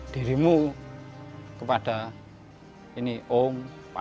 serempaa paling berpeninda